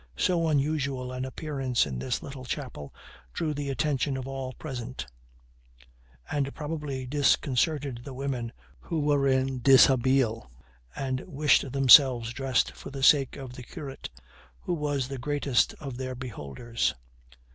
So unusual an appearance in this little chapel drew the attention of all present, and probably disconcerted the women, who were in dishabille, and wished themselves dressed, for the sake of the curate, who was the greatest of their beholders.